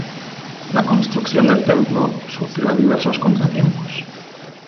La construcción del templo sufrió diversos contratiempos.